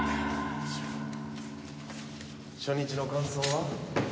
初日の感想は？